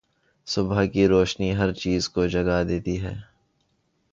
صبح کی روشنی ہر چیز کو جگا دیتی ہے۔